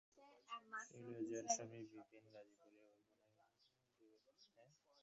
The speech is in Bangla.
শৈলজার স্বামী বিপিন গাজিপুরে অহিফেন-বিভাগে কাজ করে।